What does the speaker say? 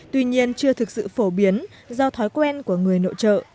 tuy nhiên chưa thực sự phổ biến do thói quen của người nội trợ